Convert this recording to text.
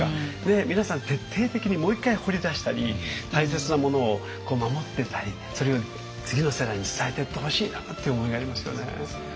皆さん徹底的にもう一回掘り出したり大切なものを守ってったりそれを次の世代に伝えてってほしいなっていう思いがありますよね。